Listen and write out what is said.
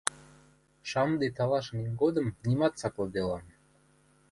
Шамде талашымем годым нимат цаклыделам.